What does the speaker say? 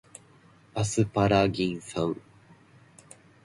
アスパラギン酸